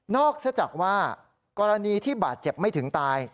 ซะจากว่ากรณีที่บาดเจ็บไม่ถึงตาย